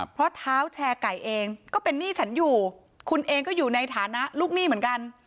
เพราะเท้าแชร์ไก่เองก็เป็นหนี้ฉันอยู่คุณเองก็อยู่ในฐานะลูกหนี้เหมือนกัน